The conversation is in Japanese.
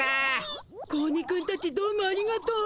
子鬼くんたちどうもありがとう。